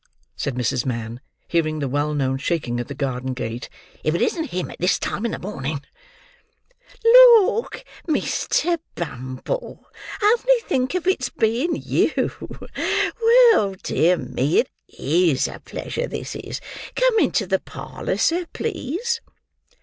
said Mrs. Mann, hearing the well known shaking at the garden gate. "If it isn't him at this time in the morning! Lauk, Mr. Bumble, only think of its being you! Well, dear me, it is a pleasure, this is! Come into the parlour, sir, please."